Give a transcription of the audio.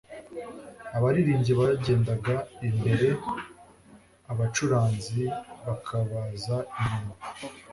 Abaririmbyi bagendaga imbere abacuranzi bakabaza inyuma